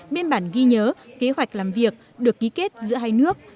biên bản ghi nhớ kế hoạch làm việc được ký kết giữa hai nước